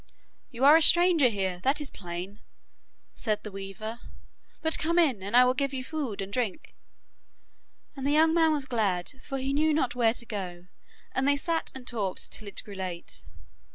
'You are a stranger here, that is plain,' said the weaver, 'but come in, and I will give you food and drink.' And the young man was glad, for he knew not where to go, and they sat and talked till it grew late.